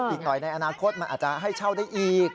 อีกหน่อยในอนาคตมันอาจจะให้เช่าได้อีก